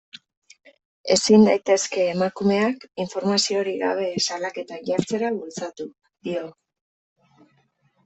Ezin daitezke emakumeak informaziorik gabe salaketak jartzera bultzatu, dio.